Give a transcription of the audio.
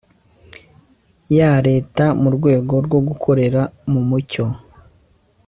ya leta mu rwego rwo gukorera mu mucyo